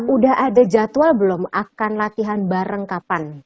udah ada jadwal belum akan latihan bareng kapan